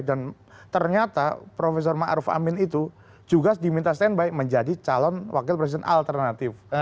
dan ternyata prof ma'ruf amin itu juga diminta standby menjadi calon wakil presiden alternatif